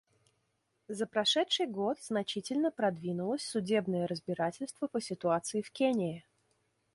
За прошедший год значительно продвинулось судебное разбирательство по ситуации в Кении.